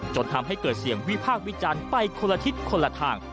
จนทำให้เกิดเสียงวิพากษ์วิจารณ์ไปคนละทิศคนละทาง